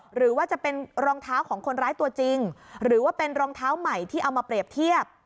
หรือว่าจะเป็นรองเท้าของคนร้ายตัวจริงหรือว่าเป็นรองเท้าใหม่ที่เอามาเปรียบเทียบ